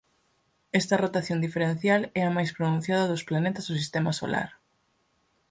Esta rotación diferencial é a máis pronunciada dos planetas do Sistema Solar.